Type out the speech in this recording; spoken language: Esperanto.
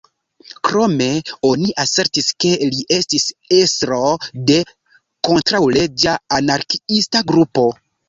Krome, oni asertis ke li estis estro de kontraŭleĝa anarkiista grupo.